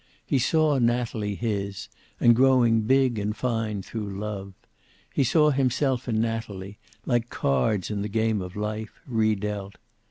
He saw Natalie his, and growing big and fine through love. He saw himself and Natalie, like cards in the game of life, re dealt.